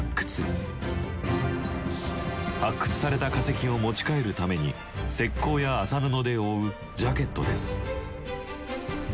発掘された化石を持ち帰るために石こうや麻布で覆うジャケットです。